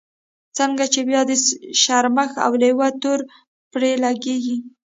ځکه بيا د شرمښ او لېوه تور پرې لګېږي.